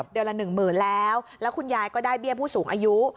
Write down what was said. เดี๋ยวละ๑เหมือนแล้วแล้วคุณยายก็ได้เบี้ยผู้สูงอายุ